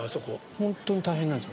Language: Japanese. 本当に大変なんですよ